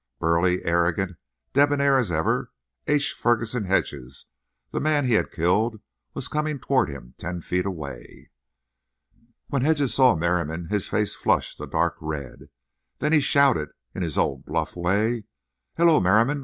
Burly, arrogant, debonair as ever, H. Ferguson Hedges, the man he had killed, was coming toward him ten feet away. When Hedges saw Merriam his face flushed a dark red. Then he shouted in his old, bluff way: "Hello, Merriam.